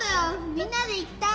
みんなで行きたい。